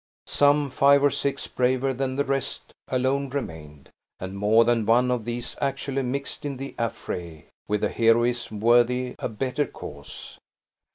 Some five or six, braver than the rest, alone remained; and more than one of these actually mixed in the affray, with a heroism worthy a better cause.